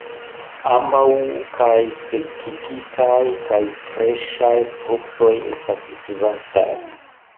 Ambaŭ, kaj sekigitaj kaj freŝaj fruktoj estas uzataj.